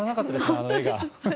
あの画が。